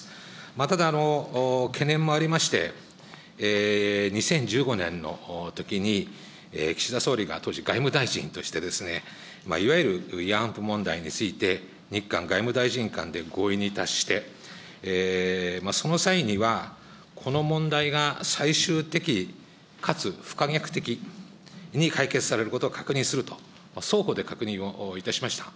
ただ、懸念もありまして、２０１５年のときに岸田総理が当時、外務大臣として、いわゆる慰安婦問題について日韓外務大臣間で合意に達して、その際にはこの問題が最終的かつ不可逆的に解決されることを確認すると、双方で確認をいたしました。